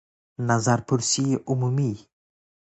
نظرپرسی عمومی